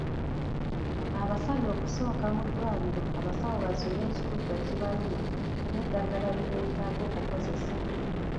Abasabye okusooka mu ddwaliro abasawo bazuule ekituufu ekibaluma n’eddagala lye beetaaga okukozesa.